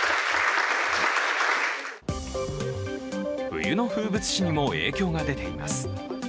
冬の風物詩にも影響が出ています。